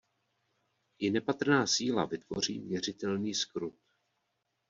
I nepatrná síla vytvoří měřitelný zkrut.